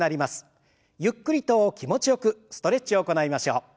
ゆっくりと気持ちよくストレッチを行いましょう。